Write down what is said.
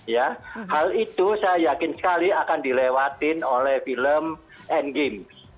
ya hal itu saya yakin sekali akan dilewatin oleh film endgame